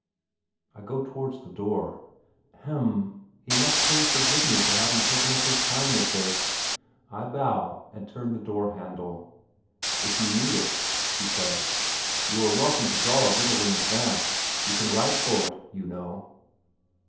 I go towards the door. Hem he must pray forgive me for having taken up his time with this ... I bow, and turn the door handle. "If you need it," he says, "you are welcome to draw a little in advance; you can write for it, you know."